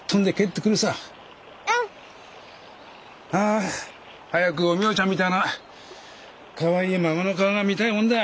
あ早くお美代ちゃんみたいなかわいい孫の顔が見たいもんだ。